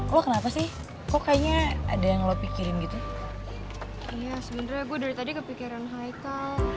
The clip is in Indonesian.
udah mendingan ya